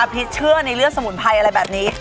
พีชเชื่อในเลือดสมุนไพรอะไรแบบนี้